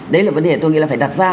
đấy là vấn đề tôi nghĩ là phải đặt ra